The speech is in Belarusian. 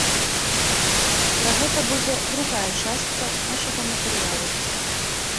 Пра гэта будзе другая частка нашага матэрыялу.